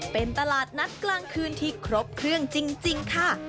เป็นตลาดนัดกลางคืนที่ครบเครื่องจริงค่ะ